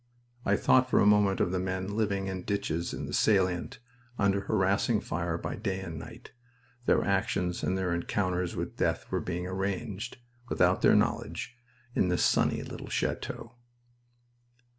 I thought for a moment of the men living in ditches in the salient, under harassing fire by day and night. Their actions and their encounters with death were being arranged, without their knowledge, in this sunny little chateau....